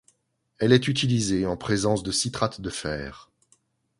Elle est utilisée en présence de citrate de fer.